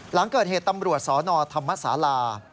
หลังเกิดเหตุตำรวจสนธรรมศาลา